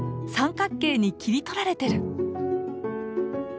三角形に切り取られてる。